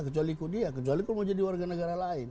kecuali kau dia kecuali kau mau jadi warga negara lain